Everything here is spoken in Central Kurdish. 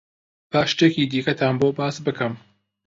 با شتێکی دیکەتان بۆ باس بکەم.